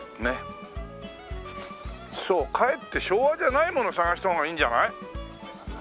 かえって昭和じゃないものを探した方がいいんじゃない？